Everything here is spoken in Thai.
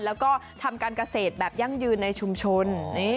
แล้วก็ทำการเกษตรแบบยั่งยืนในชุมชน